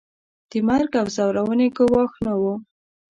د مرګ او ځورونې ګواښ نه وو.